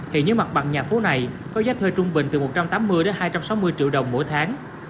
hiện như mặt bằng nhà phố này có giá thuê trung bình từ một trăm tám mươi hai trăm sáu mươi triệu đồng mỗi tháng